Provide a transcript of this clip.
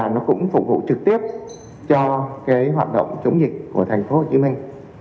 được thực hiện tiêm bởi bệnh viện